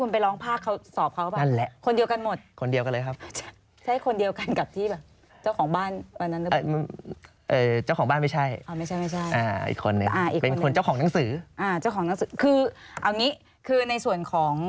ประเด็นที่สอง